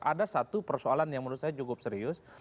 ada satu persoalan yang menurut saya cukup serius